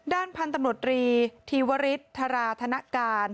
ด้านพันธุมนุษย์ตรีทีวริสทราธนการ